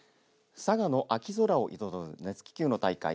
佐賀の秋空を彩る熱気球の大会